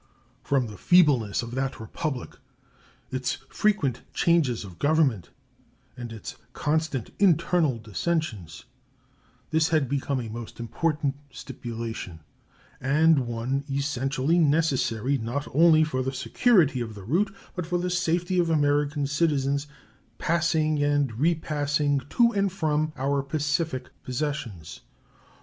From the feebleness of that Republic, its frequent changes of government, and its constant internal dissensions, this had become a most important stipulation, and one essentially necessary, not only for the security of the route, but for the safety of American citizens passing and repassing to and from our Pacific possessions.